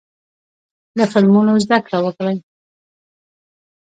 له فلمونو زده کړه وکړئ.